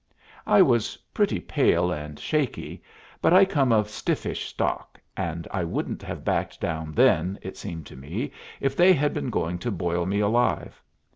I was pretty pale and shaky, but I come of stiffish stock, and I wouldn't have backed down then, it seemed to me, if they had been going to boil me alive.